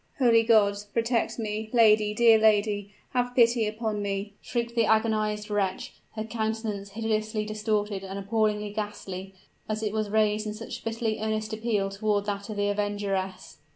"Holy God! protect me! Lady dear lady, have pity upon me!" shrieked the agonized wretch, her countenance hideously distorted, and appallingly ghastly, as it was raised in such bitterly earnest appeal toward that of the avengeress.